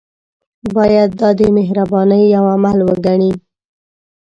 باید دا د مهربانۍ یو عمل وګڼي.